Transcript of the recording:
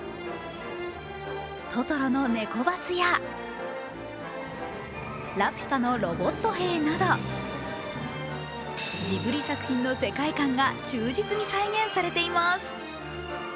トトロのネコバスや「ラピュタ」のロボット兵などジブリ作品の世界観が忠実に再現されています。